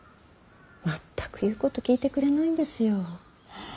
全く言うこと聞いてくれないんですよ。